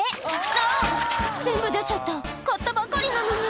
「あぁ！全部出ちゃった買ったばかりなのに」